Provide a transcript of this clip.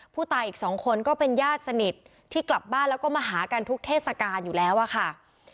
ผู้ตายอีกสองคนก็เป็นญาติสนิทที่กลับบ้านแล้วก็มาหากันทุกเทศกาลอยู่แล้วอะค่ะ